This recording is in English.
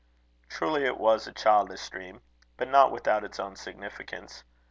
Truly it was a childish dream, but not without its own significance.